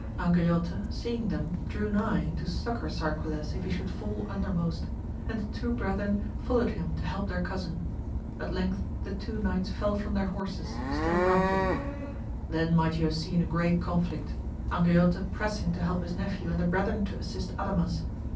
Angriote seeing them drew nigh to succour Sarquiles if he should fall under most, and the two brethren followed him to help their cousin. At length the two knights fell from their horses, still grappling ; then might you have seen a great conflict, Angriote pressing to help his nephew and the brethren to assist Adamas.